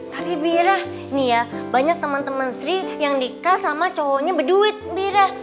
tapi bira ini ya banyak temen temen sri yang dikas sama cowoknya berduit bira